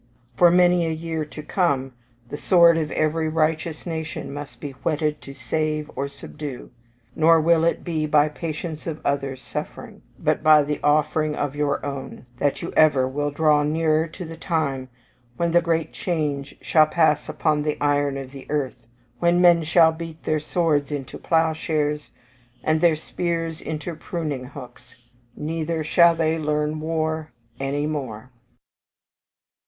For many a year to come, the sword of every righteous nation must be whetted to save or subdue; nor will it be by patience of others' suffering, but by the offering of your own, that you ever will draw nearer to the time when the great change shall pass upon the iron of the earth; when men shall beat their swords into ploughshares, and their spears into pruning hooks; neither shall they learn war any more.